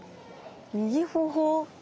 右頬。